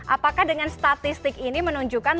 apakah dengan statistik ini menunjukkan